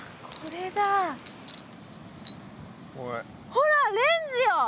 ほらレンズよ！